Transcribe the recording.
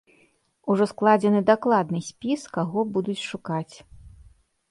Ужо складзены дакладны спіс, каго будуць шукаць.